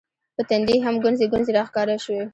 په تندي هم ګونځې ګونځې راښکاره شوې